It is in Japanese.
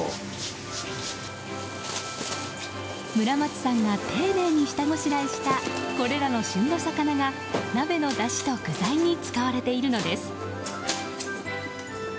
村松さんが丁寧に下ごしらえしたこれらの旬の魚が鍋のだしと具材に使われているのです。